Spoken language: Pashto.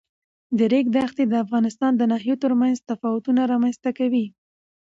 د ریګ دښتې د افغانستان د ناحیو ترمنځ تفاوتونه رامنځ ته کوي.